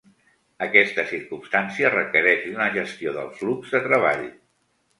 Aquesta circumstància requereix d'una gestió del flux de treball.